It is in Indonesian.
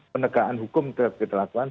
penegakan hukum tetap kita lakukan